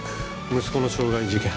息子の傷害事件。